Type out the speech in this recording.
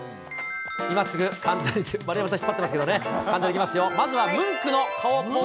今すぐ、丸山さん引っ張ってますけどね、いきますよ。